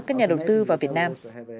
các nhà đầu tư vào việt nam